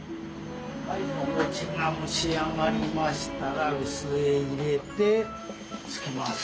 お餅が蒸し上がりましたら臼へ入れてつきます。